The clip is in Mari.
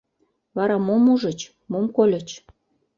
Вара мом ужыч, мом кольыч?